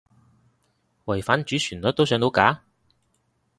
違反主旋律都上到架？